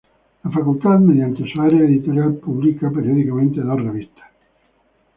La facultad mediante su área editorial publica periódicamente dos revistas.